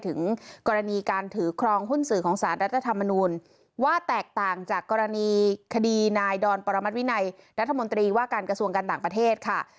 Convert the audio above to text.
ถึงกรณีการถือครองหุ้นสื่อของสารรัฐธรรมนูลว่าแตกต่างจากกรณีคดีนายดอนปรมัติวินัยรัฐมนตรีว่าการกระทรวงการต่างประเทศค่ะ